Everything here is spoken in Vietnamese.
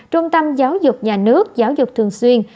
trung tâm giáo dục nhà nước giáo dục thường xuyên